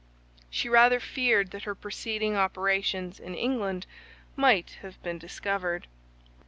She rather feared that her preceding operations in England might have been discovered.